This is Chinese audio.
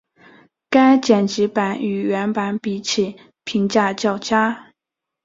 该剪辑版与原版比起评价较佳。